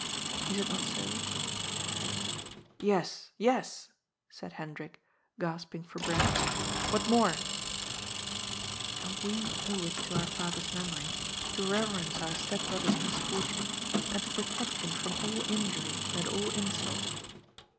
Is it not so ?"" Yes, yes," said Hendrik, gasping for breath. " What more ?"" And we owe it to our father's memory to reverence our step brother's misfortune, and to protect him from all injury and all insult.